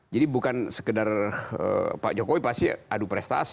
jadi bukan sekedar pak jokowi pasti adu prestasi